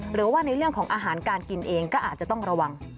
หรือว่าในเรื่องของอาหารการกินเองก็อาจจะต้องระวัง